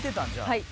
「はい」